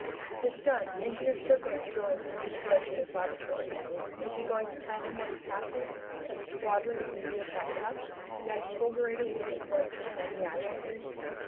This done, Engineer Serko joins Thomas Roch in his laboratory. Is he going to tell him what is passing, that a squadron is in view of Back Cup, and that his fulgurator will be employed to defend the island?